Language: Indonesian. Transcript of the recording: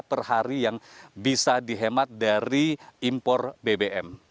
per hari yang bisa dihemat dari impor bbm